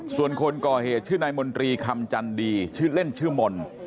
ส่วนคนก่อเหตุชื่อนายมนตรีคำจันดีชื่อเล่นชื่อมนต์